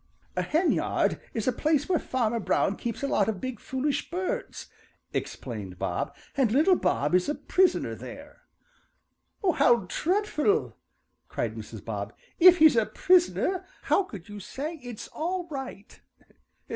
"A henyard is a place where Farmer Brown keeps a lot of big foolish birds," explained Bob, "and little Bob is a prisoner there." "How dreadful!" cried Mrs. Bob. "If he's a prisoner, how can you say it's all right?"